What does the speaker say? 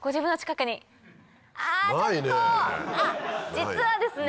実はですね